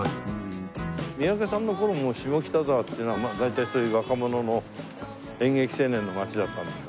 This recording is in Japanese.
三宅さんの頃も下北沢っていうのは大体そういう若者の演劇青年の街だったんですか？